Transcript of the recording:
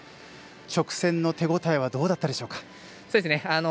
直線の手応えはどうだったでしょうか？